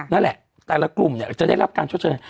นั่นแหละแต่ละกลุ่มจะได้รับการชดเชย